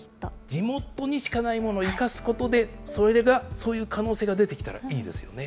地元にしかないものを生かすことで、それが、そういう可能性が出てきたら、いいですよね。